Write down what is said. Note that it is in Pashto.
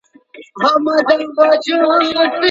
ولي هوډمن سړی د لوستي کس په پرتله بریا خپلوي؟